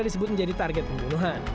disebut menjadi target pembunuhan